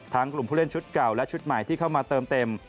กลุ่มผู้เล่นชุดเก่าและชุดใหม่ที่เข้ามาเติมเต็ม